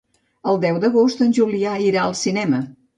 El deu d'agost en Julià irà al cinema.